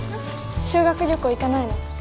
修学旅行行かないの？